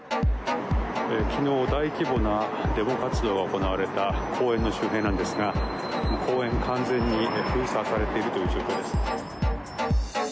昨日大規模なデモ活動が行われた公園の周辺なんですが公園、完全に封鎖されているという状況です。